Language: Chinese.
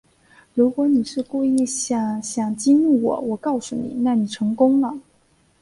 如果你是故意想想激怒我，我告诉你，那你成功了